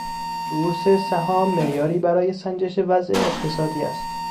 بورس سهام معیاری برای سنجش وضع اقتصادی است.